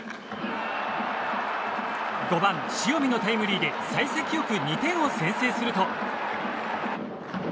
５番、塩見のタイムリーで幸先よく２点を先制すると。